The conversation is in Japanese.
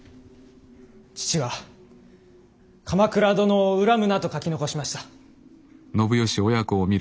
父は鎌倉殿を恨むなと書き残しました。